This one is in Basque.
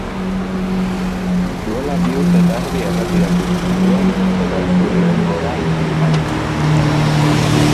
Duela bi urte eta erdi erretiratu zituen eta ez du lehengora itzuli nahi.